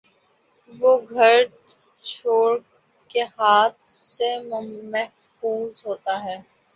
وہ گھر چورکے ہاتھ سے ممحفوظ ہوتا ہے